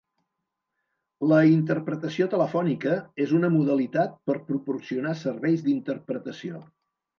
La interpretació telefònica és una modalitat per proporcionar serveis d'interpretació.